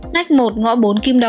nách một ngõ bốn